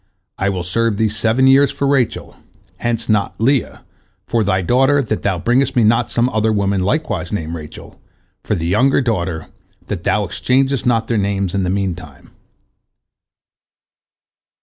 I will serve thee seven years for Rachel, hence not Leah; for thy daughter, that thou bringest me not some other woman likewise named Rachel; for the younger daughter, that thou exchangest not their names in the meantime."